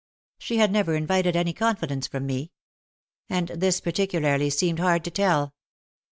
She had never invited any confidence from me. And this particularly seemed hard to tell.